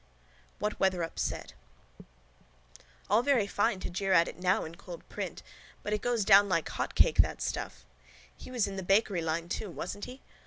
WHAT WETHERUP SAID All very fine to jeer at it now in cold print but it goes down like hot cake that stuff. He was in the bakery line too, wasn't he?